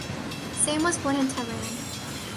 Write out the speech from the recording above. Sam was born in Tehran.